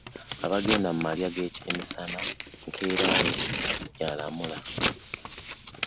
Abaagenda mu malya g'ebyemisana nkeera ye yalamula.